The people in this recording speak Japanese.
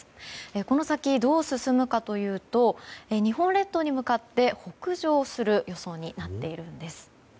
この先、どう進むかというと日本列島に向かって北上する予想になっているんです。